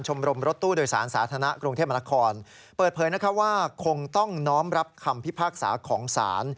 ใช่ค่ะ